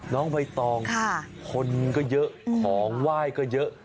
น้องใบตองคนก็เยอะของไหว้ก็เยอะ